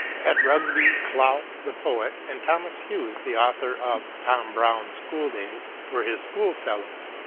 At Rugby, Clough, the poet, and Thomas Hughes, the author of " Tom Brown's Schooldays," were his schoolfellows.